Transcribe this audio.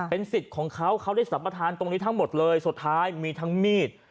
สิทธิ์ของเขาเขาได้สัมประธานตรงนี้ทั้งหมดเลยสุดท้ายมีทั้งมีด